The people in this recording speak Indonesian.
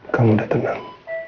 kamu udah tenang